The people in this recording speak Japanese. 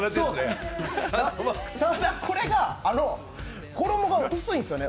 ただ、これが衣が薄いんですよね。